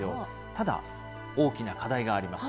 ただ、大きな課題があります。